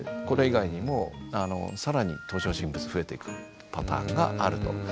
これ以外にも更に登場人物増えてくるパターンがあると。